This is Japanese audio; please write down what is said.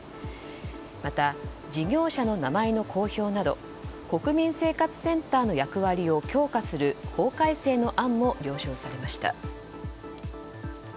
また、事業者の名前の公表など国民生活センターの役割を強化する法改正の案も了承されました。